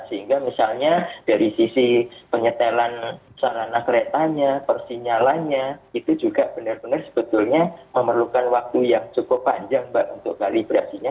sehingga misalnya dari sisi penyetelan sarana keretanya persinyalannya itu juga benar benar sebetulnya memerlukan waktu yang cukup panjang mbak untuk kalibrasinya